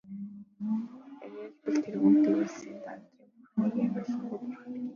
Арьяабал тэргүүтэн үйлсийн Дандарын бурхдыг амарлингуй бурхад гэнэ.